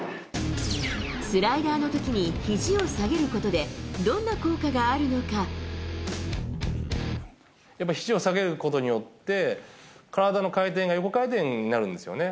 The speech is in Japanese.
スライダーのときにひじを下げることで、どんな効果があるのやっぱりひじを下げることによって、体の回転が横回転になるんですよね。